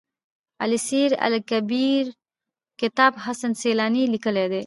السير لکبير کتاب حسن سيلاني ليکی دی.